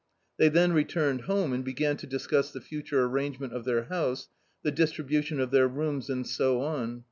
They then returned home and began to discuss the future arrangement of their house, the distribution of their rooms, and so on.